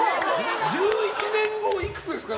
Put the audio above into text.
１１年後、いくつですか？